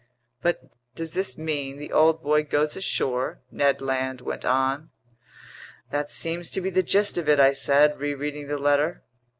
"But does this mean the old boy goes ashore?" Ned Land went on. "That seems to be the gist of it," I said, rereading the letter.